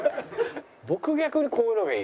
僕逆にこういうのがいい。